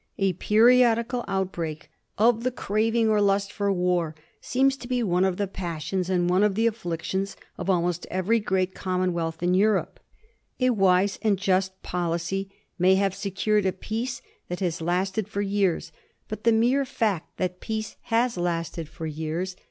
A periodical outbreak of the craving or lust for war seems to be one of the passions and one of the afflictions of almost every great commonwealth in Europe. A wise and just policy may have secured a peace that has lasted for years; but the mere fact that peace has lasted for years 148 ^ HISTORY OF THE FOUR GEORGES.